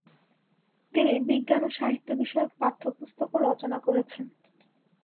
তিনি বিজ্ঞান ও সাহিত্য বিষয়ক পাঠ্যপুস্তকও রচনা করেছেন।